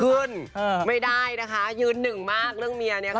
ไม่ได้นะคะยืนหนึ่งมากเรื่องเมียเนี่ยค่ะ